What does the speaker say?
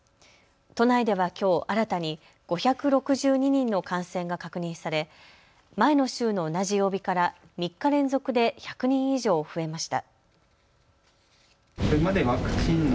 都内ではきょう新たに５６２人の感染が確認され前の週の同じ曜日から３日連続で１００人以上増えました。